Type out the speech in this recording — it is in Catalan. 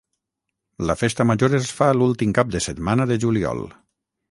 La festa major es fa l’últim cap de setmana de juliol.